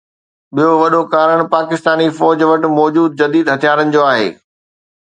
ٻيو وڏو ڪارڻ پاڪستاني فوج وٽ موجود جديد هٿيارن جو آهي.